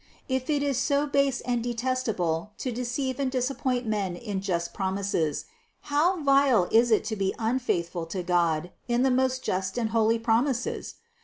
If it is so base and de testable to deceive and disappoint men in just promises, how vile is it to be unfaithful to God in the most just and holy promises?